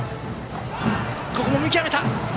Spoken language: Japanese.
ここも見極めた！